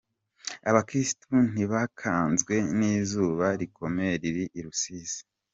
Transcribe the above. Abakirisitu ntibakanzwe n’izuba rikomeye riri i Rusizi.